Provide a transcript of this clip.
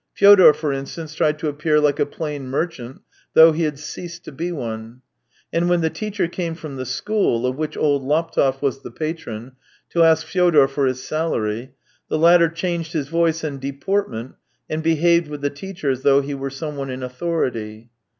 Fyodor, for instance, tried to appear like a plain merchant, though he had ceased to be one; and when the teacher came from the school, of which old Laptev was the patron, to ask Fyodor for his salary, the latter changed his voice and deport ment, and behaved with the teacher as though he were someone in authority.